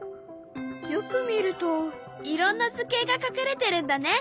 よく見るといろんな図形が隠れてるんだね。